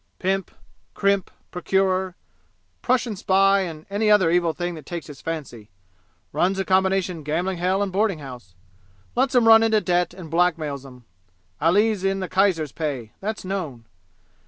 "Pimp crimp procurer Prussian spy and any other evil thing that takes his fancy! Runs a combination gambling hell and boarding house. Lets 'em run into debt and blackmails 'em. Ali's in the kaiser's pay that's known!